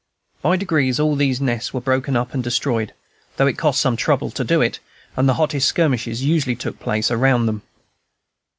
By degrees all these nests were broken up and destroyed, though it cost some trouble to do it, and the hottest skirmishing usually took place around them.